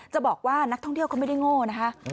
จะบอกว่านักท่องเที่ยวเขาไม่ได้โง่นะคะ